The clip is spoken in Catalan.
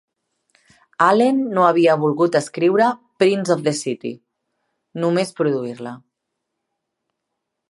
Allen no havia volgut escriure "Prince of the City", només produir-la.